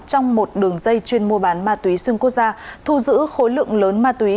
trong một đường dây chuyên mua bán ma túy xuyên quốc gia thu giữ khối lượng lớn ma túy